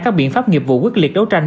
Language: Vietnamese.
các biện pháp nghiệp vụ quyết liệt đấu tranh